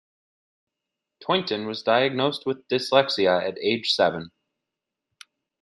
Tointon was diagnosed with dyslexia at age seven.